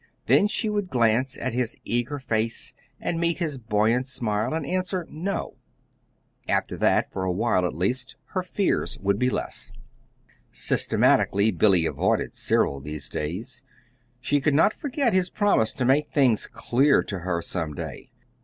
Then she would glance at his eager face and meet his buoyant smile and answer "no." After that, for a time, at least, her fears would be less. Systematically Billy avoided Cyril these days. She could not forget his promise to make many things clear to her some day.